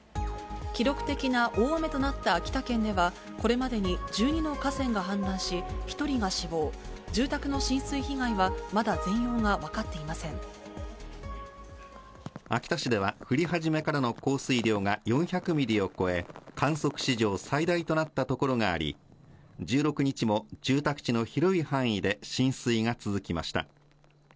記録的な大雨となった秋田県では、これまでに１２の河川が氾濫し、１人が死亡、住宅の浸水被害はま秋田市では、降り始めからの降水量が４００ミリを超え、観測史上最大となった所があり、１６日も住宅地の広い範囲で浸水が続きました。